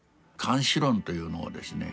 「諫死論」というのをですね